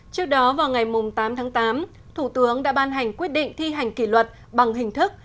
trước đó vào ngày tám tháng tám thủ tướng đã ban hành quyết định thi hành kỷ luật bằng hình thức